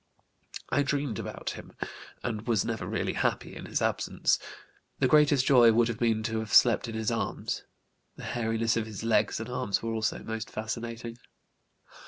I dreamed about him and was never really happy in his absence; the greatest joy would have been to have slept in his arms; the hairiness of his legs and arms were also most fascinating.